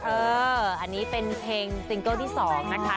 เอออันนี้เป็นเพลงซิงเกิลที่๒นะคะ